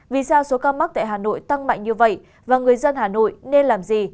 vì sao số ca mắc tại hà nội tăng mạnh như vậy và người dân hà nội nên làm gì